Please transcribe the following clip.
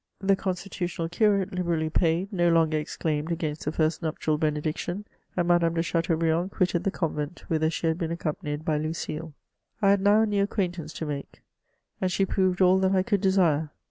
The con* stitutimial curate, liberally paid, no longer exclaimed against the first nuptial benediction, and Madame de Chateaubriand qmtted the eonvent, whither she had been accompanied by Lucile. I had now a new acquaintance to make, and she proved all that I could desire.